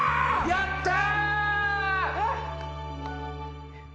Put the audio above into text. やった！